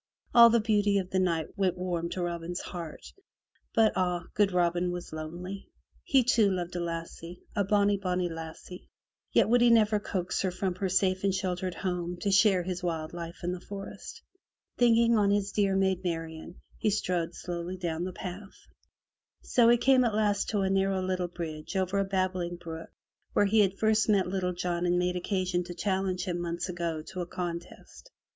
All the beauty of the night went warm to Robin's heart, but ah! good Robin was lonely. He, too, loved a lassie, a bonny, bonny lassie, yet would he never coax her from her safe and sheltered home to share his wild life in the forest. Thinking on his dear Maid Marian, he strode slowly down the path. So he came at last to a narrow little bridge over a babbling brook where he had first met Little John and made occasion to challenge him months agone to a contest.